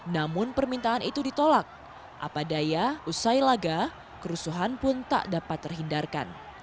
namun permintaan itu ditolak apadaya usai laga kerusuhan pun tak dapat terhindarkan